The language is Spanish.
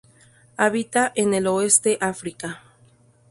Habita en el Oeste África.